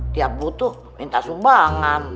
tiap butuh minta sumbangan